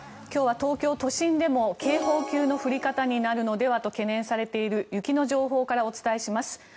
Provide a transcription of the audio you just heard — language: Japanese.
今日は東京都心でも警報級の降り方になるのではと懸念されている雪の情報からお伝えします。